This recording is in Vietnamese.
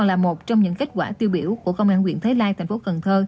là một trong những kết quả tiêu biểu của công an quyền thái lai tp cn